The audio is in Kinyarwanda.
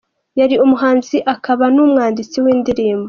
Yari umuhanzi akaba n’ umwanditsi w’indirimbo.